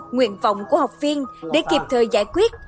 nguyện vọng của học viên để kịp thời giải quyết